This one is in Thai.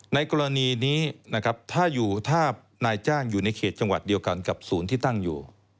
ในกรณีนี้ถ้านายจ้างอยู่ในเขตจังหวัดเดียวกันกับศูนย์ที่ตั้งอยู่